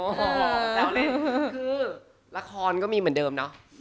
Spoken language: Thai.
คือละครก็มีเหมือนเดิมเนอะ